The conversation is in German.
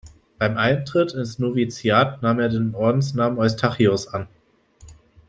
Beim Eintritt ins Noviziat nahm er den Ordensnamen Eustachius an.